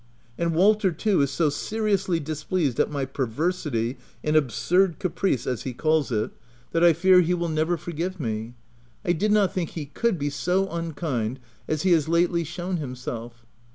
And Walter, too, is so seriously displeased at my perversity and absurd caprice, as he calls it, 80 THE TENANT that I fear he will never forgive me — I did not think he could be so unkind as he has lately shown himself.